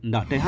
cảm ơn chị nth